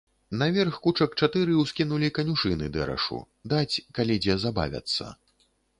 Наверх кучак чатыры ўскінулі канюшыны дэрашу, даць, калі дзе забавяцца.